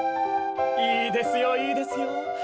いいですよいいですよ。